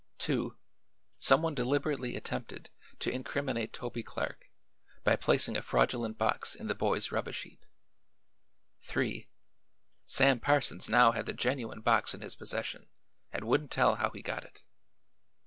2 Some one deliberately attempted to incriminate Toby Clark by placing a fraudulent box in the boy's rubbish heap. 3 Sam Parsons now had the genuine box in his possession and wouldn't tell how he got it.